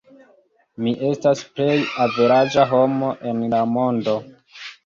Mi estas plej averaĝa homo en la mondo.